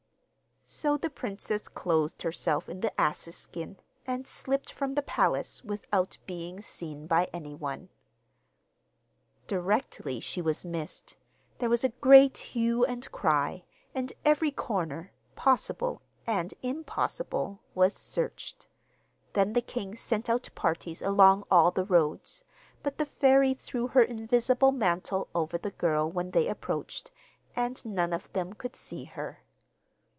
So the princess clothed herself in the ass's skin, and slipped from the palace without being seen by anyone. Directly she was missed there was a great hue and cry, and every corner, possible and impossible, was searched. Then the king sent out parties along all the roads, but the fairy threw her invisible mantle over the girl when they approached, and none of them could see her.